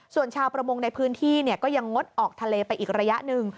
ส่วนชาวประมงในพื้นที่ก็ยังงดออกทะเลไปอีกระยะหนึ่ง